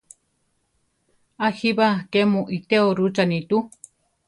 A jíba! ké mu iteó rúchani tu!